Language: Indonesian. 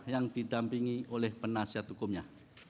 yang didampingi oleh penasihat hukumnya